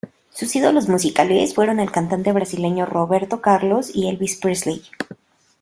Sus ídolos musicales fueron el cantante brasileño Roberto Carlos y Elvis Presley.